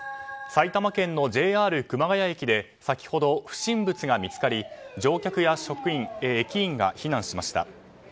埼玉県のＪＲ熊谷駅で先ほど不審物が見つかり乗客や職員、駅員が避難しました。